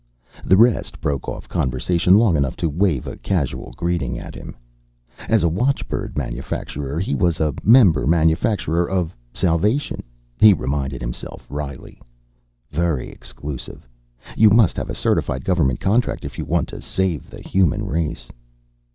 The rest broke off conversation long enough to wave a casual greeting at him. As a watchbird manufacturer, he was a member manufacturer of salvation, he reminded himself wryly. Very exclusive. You must have a certified government contract if you want to save the human race.